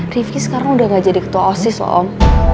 rifki sekarang udah gak jadi ketua osis soal om